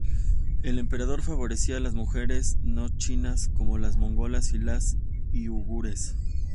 El emperador favorecía a las mujeres no chinas, como las mongolas y las uigures.